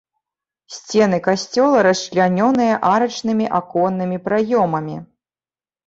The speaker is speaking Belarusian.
Сцены касцёла расчлянёныя арачнымі аконнымі праёмамі.